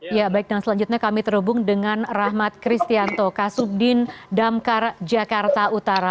ya baik dan selanjutnya kami terhubung dengan rahmat kristianto kasubdin damkar jakarta utara